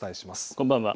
こんばんは。